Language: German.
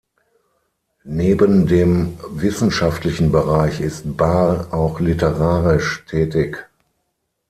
Neben dem wissenschaftlichen Bereich ist Bahr auch literarisch tätig.